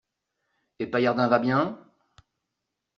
Et Paillardin va bien ?…